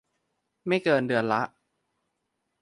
ไม่เกินเดือนละ